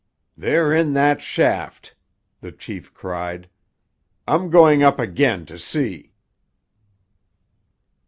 "They're in that shaft!" the chief cried. "I'm going up again to see!"